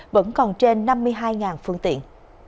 vẫn còn trên năm mươi hai phương tiện